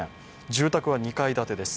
住宅は２階建てです。